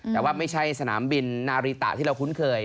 แต่ว่าไม่ใช่สนามบินนาริตะที่เราคุ้นเคย